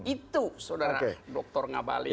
itu sodara dr ngabali